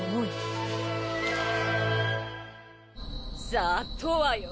さあとわよ！